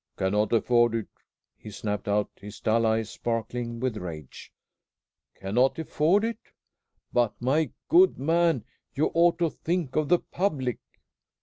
"Cannot afford it!" he snapped out, his dull eyes sparkling with rage. "Cannot afford it? But, my good man, you ought to think of the public."